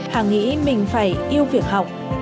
hà nghĩ mình phải yêu việc học